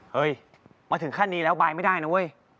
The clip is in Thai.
มาถึงขั้นนี้แล้วบายไม่ได้นะเว้ย